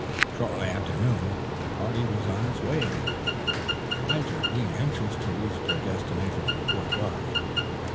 Shortly after noon the party was on its way again, Lige being anxious to reach their destination before dark.